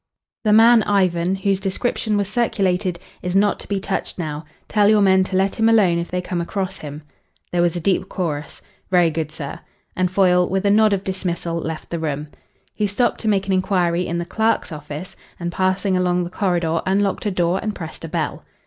"The man Ivan, whose description was circulated, is not to be touched now. Tell your men to let him alone if they come across him." There was a deep chorus, "Very good, sir," and Foyle, with a nod of dismissal, left the room. He stopped to make an inquiry in the clerk's office, and passing along the corridor unlocked a door and pressed a bell.